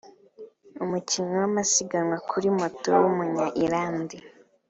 umukinnyi w’amasiganwa kuri moto w’umunya-Ireland